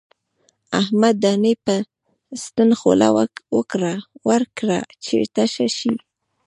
احمد دانې ته په ستنه خوله ورکړه چې تشه شي.